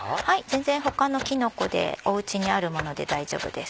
全然他のきのこでお家にあるもので大丈夫です。